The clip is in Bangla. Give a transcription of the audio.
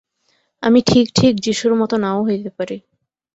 আমি ঠিক ঠিক যীশুর মত নাও হইতে পারি।